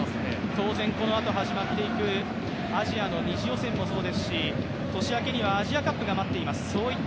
当然、このあと始まっていくアジアの二次予選もそうですし年明けにはアジアカップも待っています。